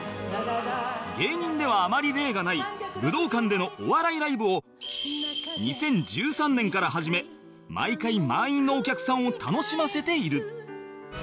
芸人ではあまり例がない武道館でのお笑いライブを２０１３年から始め毎回満員のお客さんを楽しませている